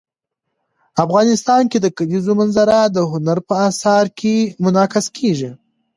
افغانستان کې د کلیزو منظره د هنر په اثار کې منعکس کېږي.